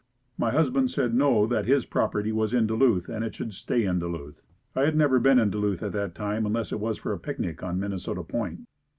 My husband said "No that his property was in Duluth and it should stay in Duluth." I had never been in Duluth at that time unless it was for a picnic on Minnesota Point.